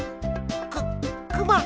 くくま！